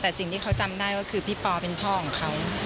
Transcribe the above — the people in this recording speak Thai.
แต่สิ่งที่เขาจำได้ก็คือพี่ปอเป็นพ่อของเขา